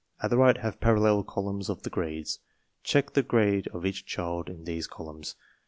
At the right have parallel columns of the grades. Check the grade of each child in these columns.